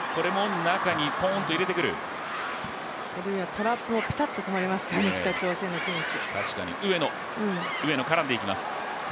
トラップもピタッと止まりますからね、北朝鮮の選手。